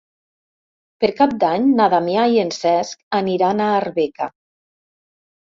Per Cap d'Any na Damià i en Cesc aniran a Arbeca.